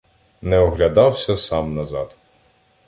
Не оглядався сам назад.